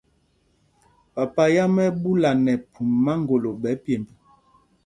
Papa yǎm ɛ́ ɛ́ ɓúla nɛ phum maŋgolo ɓɛ̌ pyemb.